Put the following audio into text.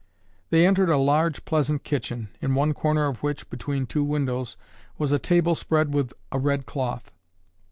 They entered a large, pleasant kitchen, in one corner of which, between two windows, was a table spread with a red cloth.